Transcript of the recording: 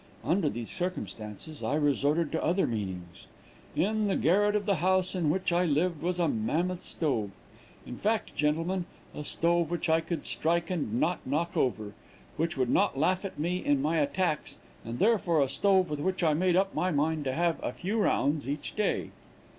Under these circumstances I resorted to other means. In the garret of the house in which I lived was a mammoth stove in fact, gentlemen, a stove which I could strike and not knock over, which would not laugh at me in my attacks, and therefore a stove with which I made up my mind to have a few rounds each day.